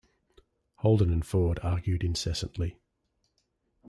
Holden and Ford argued incessantly.